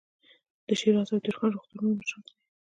د شیراز او تهران روغتونونه مشهور دي.